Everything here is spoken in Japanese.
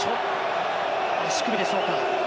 足首でしょうか。